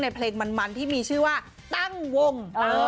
เพลงมันที่มีชื่อว่าตั้งวง